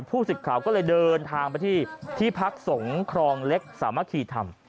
สิทธิ์ข่าวก็เลยเดินทางไปที่ที่พักสงครองเล็กสามัคคีธรรม